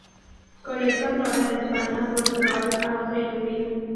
Colectó flora de España, Portugal, Austria, y Hungría.